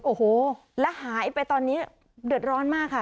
โอ้โหแล้วหายไปตอนนี้เดือดร้อนมากค่ะ